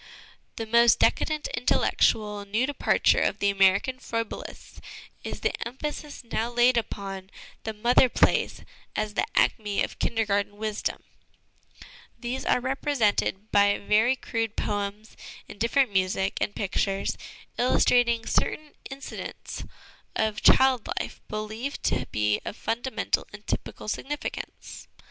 " The most decadent intellectual new departure of the American Froebelists is the emphasis now laid upon the mother plays as the acme of Kindergarten wisdom These are represented by very crude poems, indifferent music and pictures, illustrating certain incidents of child life believed to be of fundamental and typical significance.